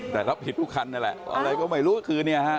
แต่รับผิดทุกคันนั่นแหละอะไรก็ไม่รู้ก็คือเนี่ยฮะ